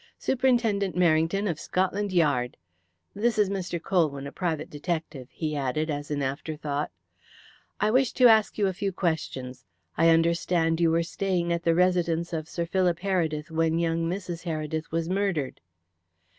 "Superintendent Merrington, of Scotland Yard. This is Mr. Colwyn, a private detective," he added, as an afterthought. "I wish to ask you a few questions. I understand you were staying at the residence of Sir Philip Heredith when young Mrs. Heredith was murdered."